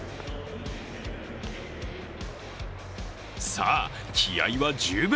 さあ、気合いは十分。